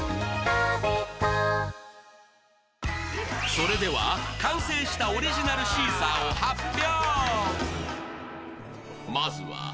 それでは、完成したオリジナルシーサーを発表。